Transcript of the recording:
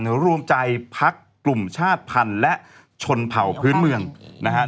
หรือรวมใจพักกลุ่มชาติพันธุ์และชนเผาพื้นเมืองนะครับ